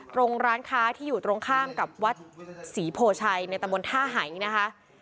ตรงร้านค้าที่อยู่ตรงข้างกับวัดศรีโภชัยในตำรวจท่าไห่นะคะ